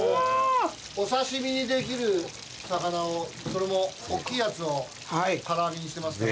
お刺し身にできる魚をそれもおっきいやつを唐揚げにしてますから。